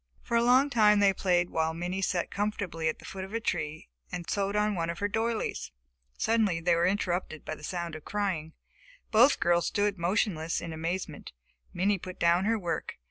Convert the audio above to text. For a long time they played while Minnie sat comfortably at the foot of a tree and sewed on one of her doilies. Suddenly they were interrupted by the sound of crying. Both girls stood motionless in amazement. Minnie put down her work.